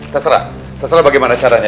terserah terserah bagaimana caranya